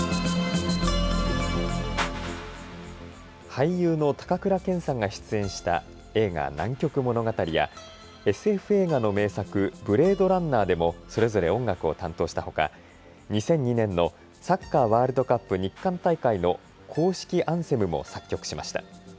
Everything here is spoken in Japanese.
俳優の高倉健さんが出演した映画、南極物語やＳＦ映画の名作、ブレードランナーでもそれぞれ音楽を担当したほか２００２年のサッカーワールドカップ日韓大会の公式アンセムも作曲しました。